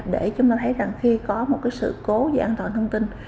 để chúng ta thấy rằng khi có một sự cố về an toàn thông tin